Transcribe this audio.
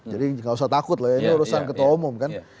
jadi enggak usah takut loh ya ini urusan ketua umum kan